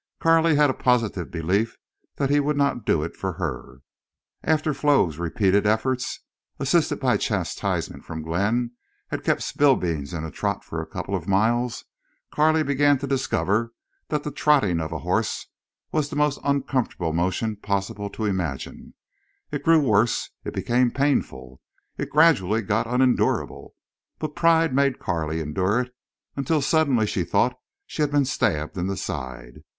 Carley had a positive belief that he would not do it for her. And after Flo's repeated efforts, assisted by chastisement from Glenn, had kept Spillbeans in a trot for a couple of miles Carley began to discover that the trotting of a horse was the most uncomfortable motion possible to imagine. It grew worse. It became painful. It gradually got unendurable. But pride made Carley endure it until suddenly she thought she had been stabbed in the side.